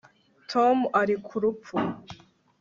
Tom ari ku rupfu